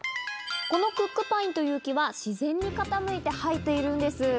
このクックパインという木は自然に傾いて生えているんです。